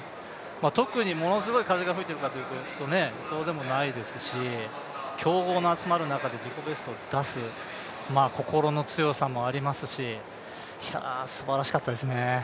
特にものすごい風が吹いているかというとそうでもないですし強豪の集まる中で自己ベストを出す心の強さもありますし、いや、すばらしかったですね。